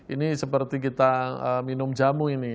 ini seperti kita minum jamu ini